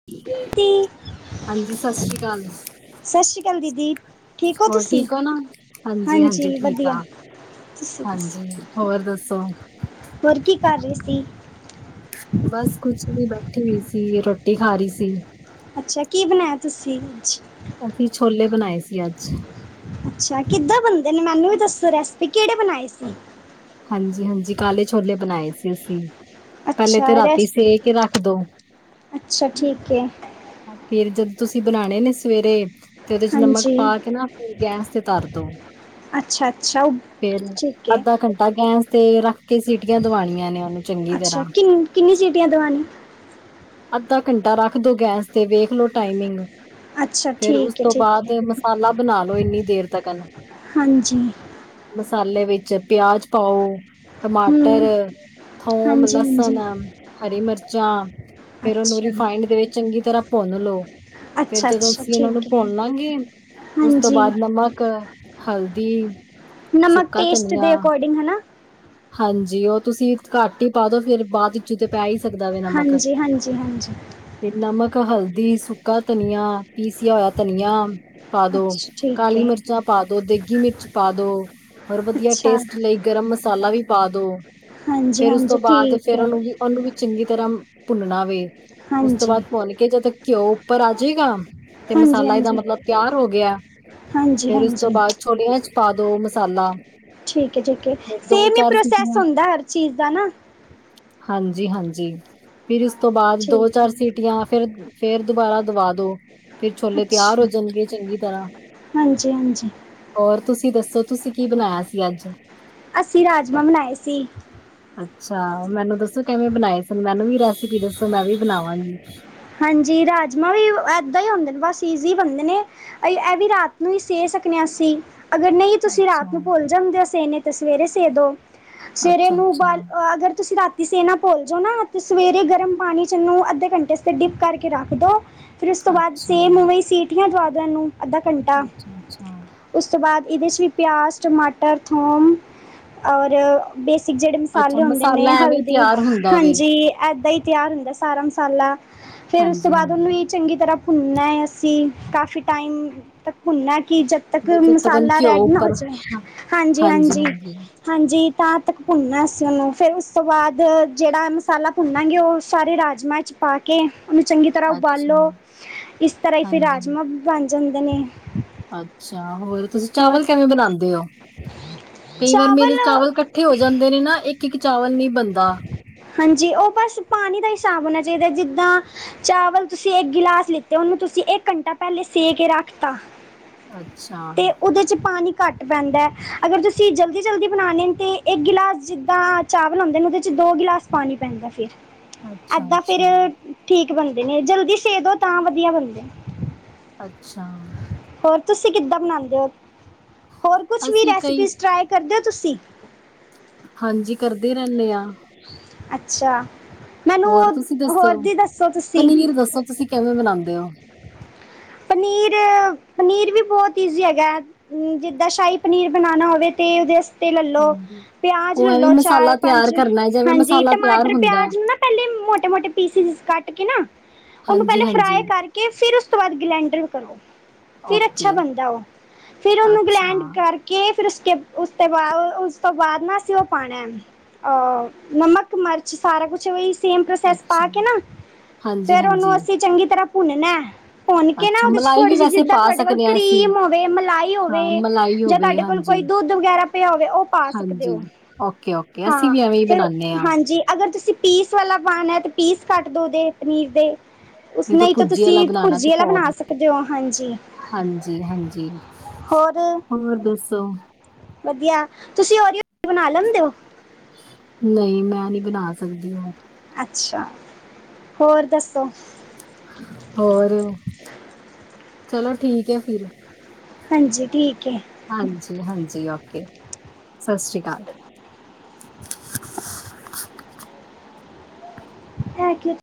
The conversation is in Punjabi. [inaudible] ਹਾਂਜੀ, ਸਤਿ ਸ੍ਰੀ ਅਕਾਲ। ਸਤਿ ਸ਼੍ਰੀ ਅਕਾਲ ਦੀਦੀ ਠੀਕ ਹੋ ਹੋਰ ਤੁਸੀਂ ਠੀਕ ਓਂ ਨਾ? ਹਾਂਜੀ- ਹਾਂਜੀ ਠੀਕ ਆਂ। ਤੁਸੀਂ ਦੱਸੋ ਹਾਂਜੀ, ਹੋਰ ਦੱਸੋ? ਹੋਰ ਕੀ ਕਰ ਰੀ ਸੀ? ਬਸ ਕੁਛ ਨੀਂ, ਬੈਠੀ ਹੋਈ ਸੀ, ਰੋਟੀ ਖਾ ਰੀ ਸੀ। ਅੱਛਾ, ਕੀ ਬਨਾਇਆ ਤੁੱਸੀ? ਅਸੀ ਛੋਲੇ ਬਨਾਏ ਸੀ ਅੱਜ। ਅੱਛਾ, ਕਿੱਦਾਂ ਬੰਦੇ ਨੇ ਮੈਨੂੰ ਵੀ ਦੱਸੋ ਰੈਸਪੀ ਕਿਹੜੇ ਬਣਾਏ ਸੀ? ਹਾਂਜੀ -ਹਾਂਜੀ ਕਾਲੇ ਛੋਲੇ ਬਨਾਏ ਸੀ ਅਸੀ। ਪੈਲੇ ਅੱਛਾ ਤੇ ਰਾਤੀ ਰੈਸ ਸੇ ਕੇ ਰੱਖ ਦੋ ਅੱਛਾ ਠੀਕ ਹੈ ਫੇਰ ਜਦੋਂ ਤੁਸੀਂ ਬਣਾਣੇ ਨੇ ਸਵੇਰੇ ਤੇ ਉਹਦੇ ਚ ਨਮਕ ਹਾਂਜੀ ਪਾ ਕੇ ਨਾ ਫਿਰ ਗੈਸ ਤੇ ਤਰਦੋ ਅੱਛਾ- ਅੱਛਾ ਠੀਕ ਏ। ਅੱਧਾ ਘੰਟਾ ਗੈਸ ਤੇ ਰੱਖ ਕੇ ਸੀਟੀਆਂ ਦਵਾਣੀਆਂ ਨੇ ਉਹਨੂੰ ਚੰਗੀ ਅੱਛਾ, ਤਰ੍ਹਾਂ ਕਿਨ ਕਿੰਨਨੀ ਸਿਟੀਆਂ ਦਵਾਨੀ ਅੱਧਾ ਘੰਟਾ ਰੱਖ ਦੋ ਗੈਸ ਤੇ ਵੇਖ ਲੋ ਟਾਈਮਿੰਗ ਅੱਛਾ ਫੇਰ ਉਸ ਠੀਕ ਹੈ ਤੋਂ ਠੀਕ ਹੈ ਬਾਅਦ ਮਸਾਲਾ ਬਨਾ ਲੋ, ਇੰਨੀ ਦੇਰ ਤੱਕ ਨਾ ਹਾਂਜੀ। ਮਸਾਲੇ ਵਿੱਚ ਚ ਪਿਆਜ ਪਾਓ, ਟਮਾਟਰ, ਹਮ ਥੌਮ, ਹਾਂਜੀ ਹਾਂਜੀ ਲਸਨ ਹਰੀ ਮਿਰਚਾਂ ਫੇਰ ਉਹਨੂੰ ਅੱਛਾ ਰਿਫਾਈੰਡ ਦੇ ਵਿੱਚ ਚੰਗੀ ਤਰ੍ਹਾਂ ਭੁੰਨ ਲੋ, ਫੇਰ ਅੱਛਾ ਜਦੋਂ ਅੱਛਾ ਅਸੀਂ ਉਹਨਾ ਨੂੰ ਠੀਕ ਹੈ ਭੁੰਨ ਲਾਂਗੇ ਉਸ ਤੋਂ ਹਾਂਜੀ ਬਾਅਦ ਨਮਕ, ਹਲਦੀ ਨਮਕ ਸੁੱਕਾ ਟੇਸਟ ਧਨੀਆ ਦੇ ਅਕੋਡਿੰਗ ਹਨਾ ਹਾਂਜੀ, ਉਹ ਤੁਸੀਂ ਘੱਟ ਹੀ ਪਾ ਦੋ ਫਿਰ ਬਾਅਦ ਵਿੱਚੋਂ ਤੇ ਪੈ ਹੀ ਸਕਦਾ ਵ ਨਮਕ ਹਾਂਜੀ ਹਾਂਜੀ- ਹਾਂਜੀ। ਤੇ ਨਮਕ, ਹਲਦੀ, ਸੁੱਕਾ ਧਨੀਆ, ਪੀਸਿਆ ਹੋਇਆ ਧਨੀਆ। ਪਾ ਦੋ, ਅੱਛਾ ਠੀਕ ਕਾਲੀ ਹੈ ਮਿਰਚਾਂ ਪਾ ਦੋ, ਦੇਗੀ ਮਿਰਚ ਪਾ ਦੋ, ਹੋਰ ਵਧੀਆ ਅੱਛਾ ਟੇਸਟ ਲਈ ਗਰਮ ਮਸਾਲਾ ਵੀ ਪਾ ਦੋ ਹਾਂਜੀ ਫੇਰ, ਉਸ ਤੋਂ ਹਾਂਜੀ ਬਾਅਦ ਠੀਕ ਫੇਰ ਹੈ ਉਹਨੂੰ ਵੀ ਉਹਨੂੰ ਵੀ ਚੰਗੀ ਤਰਾਂ ਭੁੰਨਣਾ ਵੇ, ਉਸ ਤੋਂ ਹਾਂਜੀ ਬਾਅਦ ਭੁੰਨ ਕੇ ਜਦੋਂ ਘਿਓ ਉੱਪਰ ਆ ਜੇਗਾ ਤੇ ਹਾਂਜੀ ਮਸਾਲਾ ਦਾ ਹਾਂਜੀ ਮਤਲਬ ਤਿਆਰ ਹੋ ਗਿਆ, ਹਾਂਜੀ ਫੇਰ ਉਸ ਤੋਂ ਹਾਂਜੀ ਬਾਅਦ ਛੋਲਿਆਂ ਚ ਪਾ ਦੋ ਮਸਾਲਾ ਠੀਕ ਏ ਠੀਕ ਏ, ਫਿਰ ਦੋ ਸੇਮ ਹੀ ਚਾਰ ਪ੍ਰੋਸੈਸ ਸੀਟੀਆਂ ਹੁੰਦਾ ਹਰ ਚੀਜ਼ ਦਾ ਨਾ? ਹਾਂਜੀ- ਹਾਂਜੀ। ਫਿਰ ਉਸ ਹਾਂ ਤੋਂ ਬਾਅਦ ਦੋ ਠੀਕ ਹੈ ਚਾਰ ਸੀਟੀਆਂ ਫੇਰ, ਫੇਰ ਦੁਬਾਰਾ ਦਵਾ ਦੋ, ਫਿਰ ਛੋਲੇ ਤਿਆਰ ਹੋ ਅੱਛਾ ਜਾਨਗੇ ਚੰਗੀ ਤਰ੍ਹਾਂ। ਹਾਂਜੀ ਹਾਂਜੀ ਹੋਰ ਤੁਸੀਂ ਦੱਸੋ, ਤੁਸੀਂ ਕੀ ਬਨਾਇਆ ਸੀ ਅੱਜ? ਅਸੀਂ ਰਾਜਮਾ ਬਨਾਏ ਸੀ। ਅੱਛਾ, ਮੈਨੂੰ ਦੱਸੋ ਕਿਵੇਂ ਬਨਾਏ ਸੀ ਮੈਨੂੰ ਵੀ ਰੈਸਪੀ ਦੱਸੋ ਮੈਂ ਵੀ ਬਨਾਵਾਂਗੀ। ਹਾਂਜੀ, ਰਾਜਮਾਂ ਵੀ ਇਏਦਾਂ ਹੀ ਹੁੰਦੇ ਨੇ ਬਸ ਈਜ਼ੀ ਬਨਦੇ ਨੇ ਅ ਐ ਵੀ ਰਾਤ ਨੂੰ ਹੀ ਸੇ ਸਕਨੇ ਆਂ ਅਸੀ। ਅਗਰ ਨਹੀਂ ਤੁਸੀਂ ਅੱਛਾ, ਰਾਤ ਨੂੰ ਭੁੱਲ ਜਾਂਦੇ ਓ ਸੇਨੇ, ਤਾਂ ਸਵੇਰੇ ਸੇ ਦੋ। ਸਵੇਰੇ ਅੱਛਾ-ਅੱਛਾ, ਅੱਛਾ। ਨੂੰ ਬਾਲ ਅਗਰ ਤੁਸੀਂ ਰਾ [unintelligible] ਤੁਸੀ ਨਾ ਭੁਲ ਜਾਓ ਨਾ, ਤੇ ਸਵੇਰੇ ਗਰਮ ਪਾਨੀ ਚ ਇਹਨੂੰ ਅੱਧੇ ਘੰਟੇਤੇ ਡਿਪ ਕਰਕੇ ਰੱਖ ਦੋ। ਫਿਰ ਉਸ ਤੋਂ ਬਾਅਦ ਅੱਛਾ-ਅੱਛਾ, ਸੇਮ ਓਂਵੇਈ ਸੀਟੀਆਂ ਦਵਾ ਦੋ ਐਂਨੂੰ, ਅੱਧਾ ਘੰਟਾ। ਅੱਛਾ ਅੱਛਾ ਉਸ ਤੋਂ ਬਾਅਦ ਇਹਦੇ 'ਚ ਵੀ ਪਿਆਜ਼, ਟਮਾਟਰ, ਥੂਮ, ਔਰ ਬੇਸਿਕ ਜਿਹੜੇ ਅੱਛਾ ਮਸਾਲੇ ਹੁੰਦੇ ਨੇ ਮਸਾਲਾ ਐਵੇਂ ਹੀ ਹਲਦੀ, ਤਿਆਰ ਹੁੰਦਾ ਵੇ ਹਾਂਜੀ ਐਦਾਂਈ ਤਿਆਰ ਹੁੰਦੈ। ਸਾਰਾ ਮਸਾਲਾ ਫੇਰ ਉਸ ਤੋਂ ਬਾਅਦ ਹਾਂਜੀ-ਹਾਂਜੀ। ਉਹਨੂੰ ਚੰਗੀ ਤਰ੍ਹਾਂ ਭੁੰਨਨਾ ਹੈ ਅਸੀਂ, ਕਾਫੀ ਟਾਈਮ ਤੱਕ ਭੁੰਨਣਾ ਕਿ ਜ ਤੱਕ ਬੱਚੇ ਤਕਨ ਮਸਾਲਾ ਘਿਓ ਰੈਡ ਨਾ ਹੋ ਉੱਪਰ ਜਾਵੇ। ਹਾਂਜੀ -ਹਾਂਜੀ ਹਾਂਜੀ-ਹਾਂਜੀ ਹਾਂਜੀ ਤਾਂ ਤੱਕ ਭੁੰਨਨਾ ਅਸੀਂ ਉਹਨੂੰ ਫਿਰ ਉਸ ਤੋਂ ਬਾਅਦ ਜਿਹੜਾ ਮਸਾਲਾ ਭੁੰਨਾਂਗੇ ਉਹ। ਸਾਰੇ ਰਾਜਮਾ ਚ ਪਾ। ਕੇ ਉਹਨੂੰ ਚੰਗੀ ਤਰ੍ਹਾਂ ਅੱਛਾ ਉਬਾਲੋ ਇਸ ਤਰ੍ਹਾਂ ਹੀ ਫਿਰ ਹਾਂਜੀ। ਰਾਜਮਾ ਵੀ ਬਣ ਜਾਂਦੇ ਨੇ। ਅੱਛਾ ਹੋਰ ਤੁਸੀਂ ਹੋਰ ਚਾਵਲ ਕਿਵੇਂ ਬਣਾਉਦੇ ਹੋ। ਕਈ ਵਾਰ ਮੇਰੇ ਚਾਵਲ ਇਕੱਠੇ ਹੋ ਜਾਂਦੇ ਨੇ ਨਾ ਇੱਕ -ਇੱਕ ਚਾਵਲ ਨਹੀਂ ਬਣਦਾ। ਹਾਂਜੀ ਉਹ ਬਸ ਪਾਣੀ ਦਾ ਹਿਸਾਬ ਹੋਣਾ ਚਾਹੀਦਾ ਜਿੱਦਾਂ। ਚਾਵਲ ਤੁਸੀਂ ਇੱਕ ਗਿਲਾਸ ਲਿੱਤੇ ਉਹਨੂੰ ਤੁਸੀਂ ਇੱਕ ਘੰਟਾ ਪਹਿਲੇ ਸੇ ਕੇ ਰੱਖਤਾ। ਅੱਛਾ। ਤੇ ਉਹਦੇ ਚ ਪਾਣੀ। ਘੱਟ ਪੈਂਦਾ ਅਗਰ ਤੁਸੀਂ ਜਲਦੀ-ਜਲਦੀ ਬਣਾਉਣੇ ਤਾਂ ਇਕ ਗਿਲਾਸ ਜਿੱਦਾਂ। ਚਾਵਲ ਹੁੰਦੇ ਨੇ ਉਹਦੇ ਚ ਦੋ ਗਲਾਸ ਪਾਣੀ ਪੈਂਦਾ ਫਿਰ। ਅੱਛਾ ਏਦਾਂ ਫਿਰ ਅੱਛਾ ਠੀਕ ਬਣਦੇ ਨੇ ਜਲਦੀ ਸੇਦ ਦੋ ਤਾਂ ਵਧੀਆ ਬਣਦੇ। ਅੱਛਾ। ਹੋਰ ਤੁਸੀਂ ਕਿੱਦਾਂ ਬਣਾਦੇ ਹੋ ਹੋਰ ਕੁਛ ਵੀ ਅਸੀਂ ਕਈ ਰੈਸੀਪੀ ਚ ਟ੍ਰਾਈ ਕਰਦੇ ਹੋ ਤੁਸੀਂ। ਹਾਂਜੀ ਕਰਦੇ ਰਹਿੰਦੇ ਹਾਂ। ਅੱਛਾ। ਮੈਨੂੰ ਹੋਰ ਤੁਸੀਂ ਦੱਸੋ ਹੋਰ ਦੀ ਦੱਸੋ ਤੁਸੀਂ ਪਨੀਰ ਦੱਸੋ ਤੁਸੀਂ ਕਿਵੇਂ ਬਨਾਉਦੇ ਹੋ। ਪਨੀਰ-ਪਨੀਰ ਵੀ ਬਹੁਤ ਈਜੀ ਹੈਗਾ। ਹ ਜਿੱਦਾਂ ਸ਼ਾਹੀ ਪਨੀਰ ਬਣਾਉਣਾ ਹੋਵੇ ਤੇ ਉਹਦੇ। ਤੇ ਲੈਲੋ ਹਾਂਜੀ ਪਿਆਜ ਉਹ ਐਵੇਂ ਲੈਲੋ ਮਸਾਲਾ ਤਿਆਰ ਚਾਰ-ਪੰਜ ਕਰਨਾ ਹੈ ਜਿਵੇਂ ਹਾਂਜੀ ਮਸਾਲਾ ਤਿਆਰ ਟਮਾਟਰ ਹੁੰਦਾ ਹੈ ਪਿਆਜ ਨਾ। ਪਹਿਲੇ ਮੋਟੇ-ਮੋਟੇ ਪੀਸਿਸ ਕੱਟ ਕੇ ਨਾ ਉਹਨੂੰ ਹਾਂਜੀ ਪਹਿਲੇ ਹਾਂਜੀ ਫਰਾਈ ਕਰਕੇ। ਕਿ ਫਿਰ ਉਸ ਤੋਂ ਬਾਅਦ ਗਲੈਂਡਰ ਕਰੋ। ਫਿਰ ਅੱਛਾ ਓਕੇ ਬਣਦਾ ਉਹ ਫਿਰ ਉਹਨੂੰੰ ਗਲੈਂਡ ਅੱਛਾ ਕਰ ਕੇ। ਕਿ ਫਿਰ ਉਸਕੇ ਉਸ ਤੋਂ ਬਾਅਦ ਉਸ ਤੋਂ ਬਾਅਦ ਨਾ ਅਸੀਂ ਉਹ ਪਾਉਣਾ। ਨਮਕ ਮਿਰਚ ਸਾਰਾ ਕੁਛ ਉਹੀ। ਸੇਮ ਪ੍ਰੋਸੈਸ ਅੱਛਾ ਪਾ ਕੇ ਨਾ ਹਾਂਜੀ ਫੇਰ ੳਹਨੂੰ ਹਾਂਜੀ ਅਸੀਂ ਚੰਗੀ ਤਰ੍ਹਾਂ ਭੁੰਨਨਾ। ਭੁੰਨ ਕੇ ਨਾ ਅੱਛਾ ਉਹਦੇ ਚ ਮਲਾਈ ਥੋੜ੍ਹੀ ਵੀ ਜਿਹੀ ਵੈਸੇ ਜਿੱਦਾਂ ਪਾ ਤੁਹਾਡੇ ਕੋਲ ਸਕਦੇ ਹਾਂ ਅਸੀਂ ਕਰੀਮ ਹੋਵੇ ਮਲਾਈ ਹਾਂ ਹੋਵੇ ਮਲਾਈ ਜਾਂ ਹੋਵੇ ਤੁਹਾਡੇ ਕੋਲ। ਕੋਈ ਹਾਂਜੀ ਦੁੱਧ ਵਗੈਰਾ ਪਿਆ ਹੋਵੇ ਉਹ ਪਾ ਸਕਦੇ ਹਾਂਜੀ ਹੋ ਓਕੇ ਓਕੇ ਅਸੀਂ ਹਾਂ ਵੀ ਐਵੇਂ ਹੀ ਫਿਰ ਬਣਾਉਂਦੇ ਹਾਂ ਹਾਂਜੀ। ਜੀ ਅਗਰ ਤੁਸੀਂ ਪੀਸ ਵਾਲਾ ਪਾਉਣਾ ਹੈ ਤੇ ਪੀਸ ਕੱਟ ਦੋ ਦੇ ਪਨੀਰ ਦੇ। ਉਸ ਨਹੀਂ ਹੀ ਤਾਂ ਤੁਸੀਂ ਭੁਰਜੀ ਵਾਲਾ ਬਣਾ ਸਕਦੇ ਹੋ ਹਾਂਜੀ। ਹਾਂਜੀ-ਹਾਂਜੀ ਹੋਰ ਹੋਰ ਦੱਸੋ। ਵਧੀਆ ਤੁਸੀਂ ਆਰਿਓ ਬਿਸਕੁਟ ਬਣਾ ਲੈਂਦੇ ਹੋ। ਨਹੀਂ ਮੈਂ ਨਹੀਂ ਬਣਾ ਸਕਦੀ ਹ। ਅੱਛਾ ਹੋਰ ਦੱਸੋ। ਹੋਰ ਚਲੋ ਠੀਕ ਹੈ ਫਿਰ। ਹਾਂਜੀ ਠੀਕ ਹੈ। ਹਾਂਜੀ-ਹਾਂਜੀ ਓਕੇ ਸਤਿ ਸ਼੍ਰੀ ਅਕਾਲ। ਥੈਂਕਯੂ।